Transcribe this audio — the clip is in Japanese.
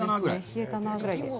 冷えたなぁぐらいで。